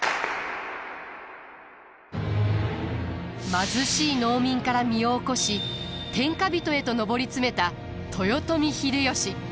貧しい農民から身を起こし天下人へと上り詰めた豊臣秀吉。